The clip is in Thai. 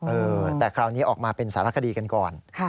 เออแต่คราวนี้ออกมาเป็นสารคดีกันก่อน